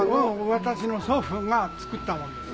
私の祖父が造ったもんです。